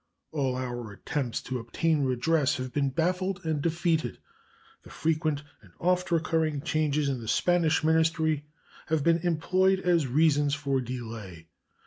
All our attempts to obtain redress have been baffled and defeated. The frequent and oft recurring changes in the Spanish ministry have been employed as reasons for delay.